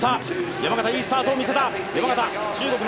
山縣いいスタートを見せた。